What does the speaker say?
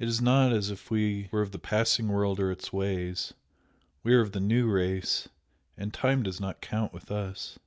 It is not as if we were of the passing world or its ways we are of the New Race, and time does not count with us."